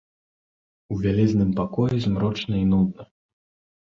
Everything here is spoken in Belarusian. У вялізным пакоі змрочна і нудна.